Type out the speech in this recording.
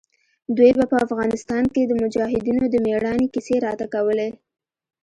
دوى به په افغانستان کښې د مجاهدينو د مېړانې کيسې راته کولې.